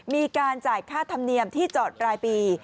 มีการจ่ายค่าธรรมเนียมที่จอดรายปี